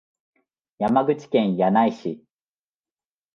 山口県柳井市